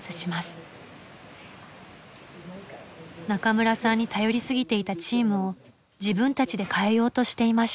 中村さんに頼りすぎていたチームを自分たちで変えようとしていました。